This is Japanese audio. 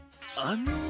あの。